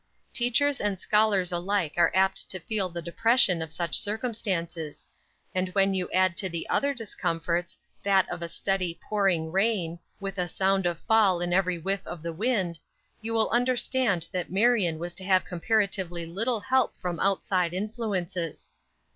Teachers and scholars alike are apt to feel the depression of such circumstances; and when you add to the other discomforts, that of a steady, pouring rain, with a sound of fall in every whiff of wind, you will understand that Marion was to have comparatively little help from outside influences.